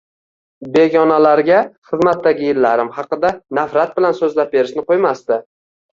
Begonalarga xizmatdagi yillarim haqida nafrat bilan so`zlab berishni qo`ymasdi